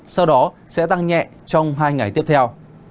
sau đó sẽ tăng nhẹ trong hai ngày tiếp theo